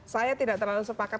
saya tidak terlalu sepakat